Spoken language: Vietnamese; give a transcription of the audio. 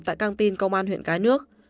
tại căng tin công an huyện cái nước